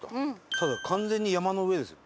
ただ完全に山の上ですよ。